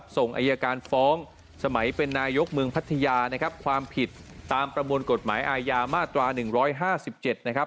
ส่งอายการฟ้องสมัยเป็นนายกเมืองพัทยานะครับความผิดตามประมวลกฎหมายอาญามาตรา๑๕๗นะครับ